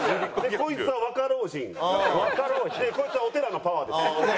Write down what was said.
こいつはお寺のパワーです。